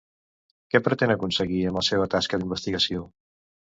Què pretén aconseguir amb la seva tasca d'investigació?